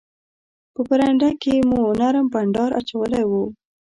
په برنډه کې مو نرم بانډار اچولی وو.